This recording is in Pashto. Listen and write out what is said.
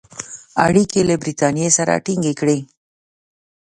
اړیکي له برټانیې سره تینګ کړي.